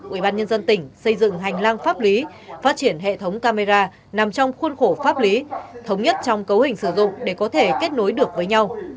ubnd tỉnh xây dựng hành lang pháp lý phát triển hệ thống camera nằm trong khuôn khổ pháp lý thống nhất trong cấu hình sử dụng để có thể kết nối được với nhau